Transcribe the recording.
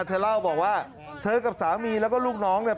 เธอเล่าบอกว่าเธอกับสามีแล้วก็ลูกน้องเนี่ย